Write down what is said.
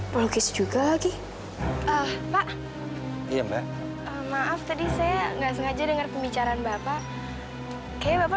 pelukis juga lagi pak iya maaf tadi saya nggak sengaja dengar pembicaraan bapak kayaknya bapak